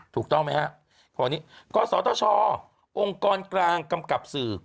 ถูกต้องไหมครับเพราะวันนี้ก็สวทชองค์กรกลางกำกับสื่อ